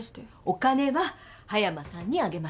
お金は葉山さんにあげました。